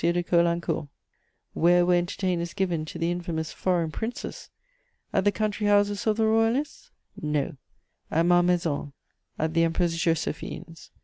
de Caulaincourt. Where were entertainments given to "the infamous foreign princes?" At the country houses of the Royalists? No: at Malmaison, at the Empress Joséphine's.